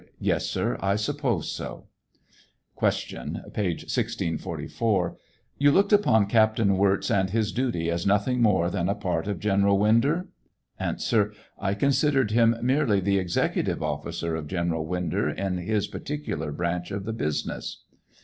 Yes, sir ; I suppose so. Q. (Page 1G44. ) You looked upon Captain Wirz and his duty as nothing more than a part of General Winder 1 A. I considered him merely the executive officer of General Winder in his particular branch of the business.